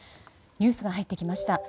ニュースが入ってきました。